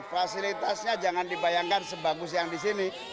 fasilitasnya jangan dibayangkan sebagus yang di sini